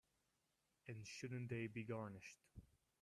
And shouldn't they be garnished?